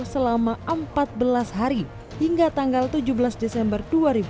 selama empat belas hari hingga tanggal tujuh belas desember dua ribu dua puluh